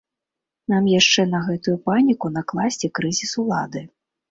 Нам яшчэ на гэтую паніку накласці крызіс улады.